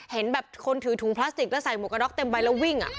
เห็นแบบคนถือถุงพลาสติกแล้วใส่หมวกกระน็อกเต็มใบแล้ววิ่ง